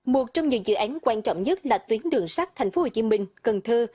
một trong những dự án quan trọng nhất là tuyến đường sắt tp hcm cần thơ